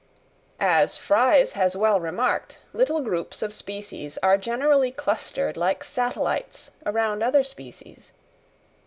As Fries has well remarked, little groups of species are generally clustered like satellites around other species.